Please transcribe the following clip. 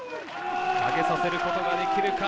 投げさせることができるか。